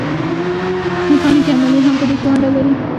میخانیکي عملیې هم په دې کې ونډه لري.